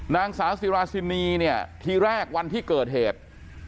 นางสาวสิราซินีเนี่ยทีแรกวันที่เกิดเหตุ